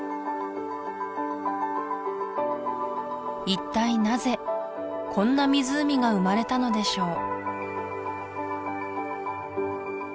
一体なぜこんな湖が生まれたのでしょう？